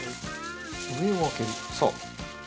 そう。